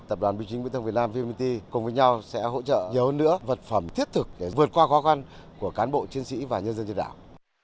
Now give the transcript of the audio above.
tập đoàn bình chính viễn thông việt nam vnpt cùng với nhau sẽ hỗ trợ nhiều hơn nữa vật phẩm thiết thực để vượt qua khó khăn của cán bộ chiến sĩ và nhân dân trên đảo